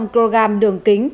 ba một trăm linh kg đường kính